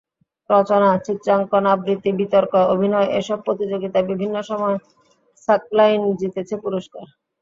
রচনা, চিত্রাঙ্কন, আবৃত্তি, বিতর্ক, অভিনয়—এসব প্রতিযোগিতায় বিভিন্ন সময় সাকলাইন জিতেছে পুরস্কার।